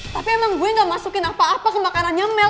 tapi emang gue gak masukin apa apa kebakarannya mel